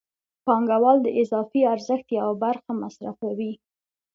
پانګوال د اضافي ارزښت یوه برخه مصرفوي